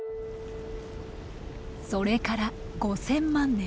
それから５，０００万年。